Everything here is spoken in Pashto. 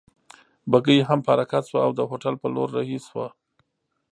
بګۍ هم په حرکت شوه او د هوټل په لور رهي شوو.